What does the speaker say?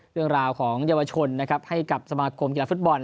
เรื่องราวของเยาวชนนะครับให้กับสมาคมกีฬาฟุตบอล